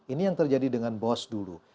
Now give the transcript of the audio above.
ini yang terjadi dengan bos dulu